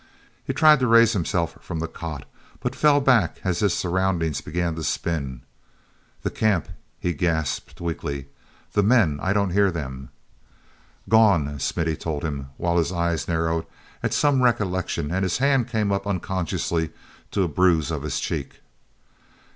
He tried to raise himself from the cot, but fell back as his surroundings began to spin. "The camp!" he gasped weakly. "The men—I don't hear them." "Gone!" Smith told him, while his eyes narrowed at some recollection and his hand came up unconsciously to a bruise of his cheek.